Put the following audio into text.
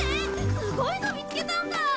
すごいの見つけたんだ。